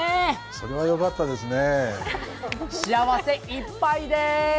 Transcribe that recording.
それはよかったですね。